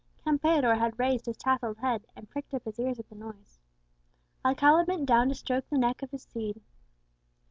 Campeador had raised his tasselled head, and pricked up his ears at the noise. Alcala bent down to stroke the neck of his steed.